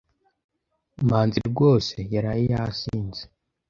Manzi rwose yaraye yasinze.